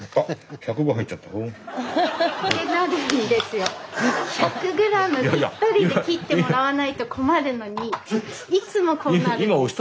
１００ｇぴったりで切ってもらわないと困るのにいつもこうなるんです。